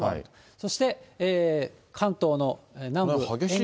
そして、関東の南部沿岸部。